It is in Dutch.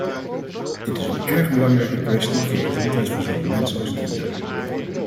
Dit is een erg belangrijke kwestie voor de gezondheid van zowel mens als dier.